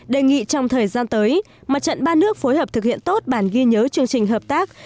đề nghị trong thời gian tới mặt trận ba nước phối hợp thực hiện tốt bản ghi nhớ chương trình hợp tác